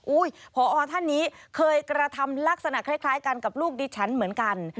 ผอท่านนี้เคยกระทำลักษณะคล้ายกันกับลูกดิฉันเหมือนกัน